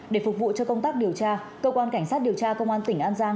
để phục vụ cho công tác điều tra cơ quan cảnh sát điều tra công an tỉnh an giang